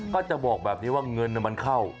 ก็จะบอกแบบนี้ว่าเงินมันเข้า